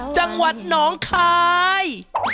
จังหวัดน้องคาย